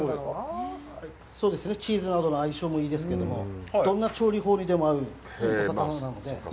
チーズなどとの相性もいいですけども、どんな調理法にでも合うお魚なので。